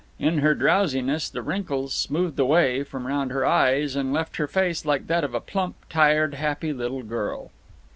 In her drowsiness the wrinkles smoothed away from round her eyes and left her face like that of a plump, tired, happy little girl.